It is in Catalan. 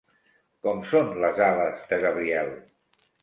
Com són les ales de Gabriel?